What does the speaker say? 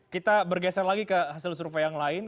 kita bergeser lagi ke hasil survei yang lain